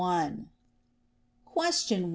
Question 1.